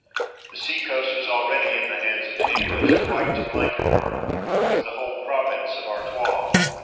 The sea coast was already in the hands of the English, quite to Blankenburgh, with the whole province of Artois.